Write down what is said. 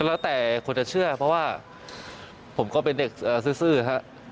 แล้วแต่คนจะเชื่อเพราะว่าผมก็เป็นเด็กซื่อฮะ